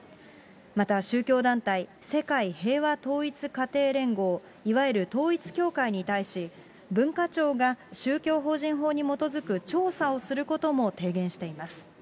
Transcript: また、宗教団体世界平和統一家庭連合、いわゆる統一教会に対し、文化庁が宗教法人法に基づく調査をすることも提言しています。